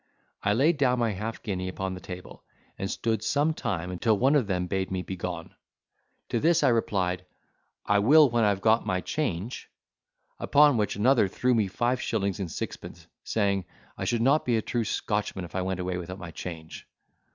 I laid down my half guinea upon the table, and stood some time, until one of them bade me begone; to this I replied, "I will when I have got my change:" upon which another threw me five shillings and sixpence, saying, I should not be a true Scotchman if I went away without my change.